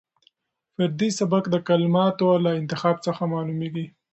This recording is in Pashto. فردي سبک د کلماتو له انتخاب څخه معلومېږي.